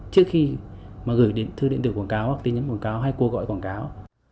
trước khi mà gửi đến thư điện tử quảng cáo hoặc tin nhắn quảng cáo hay cuộc gọi quảng cáo